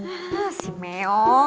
hah si meong